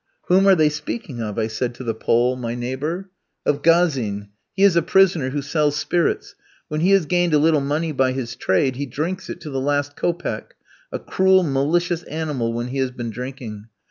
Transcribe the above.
"Whom are they speaking of?" I said to the Pole, my neighbour. "Of Gazin. He is a prisoner who sells spirits. When he has gained a little money by his trade, he drinks it to the last kopeck; a cruel, malicious animal when he has been drinking.